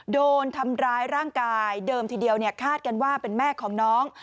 โดนทำร้ายร่างกายเดิมทีเดียวคาดกันว่าเป็นแม่ของน้อง